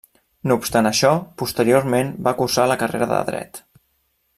No obstant això posteriorment va cursar la carrera de Dret.